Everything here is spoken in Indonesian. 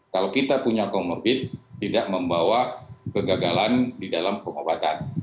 kalau kita punya comorbid tidak membawa kegagalan di dalam pengobatan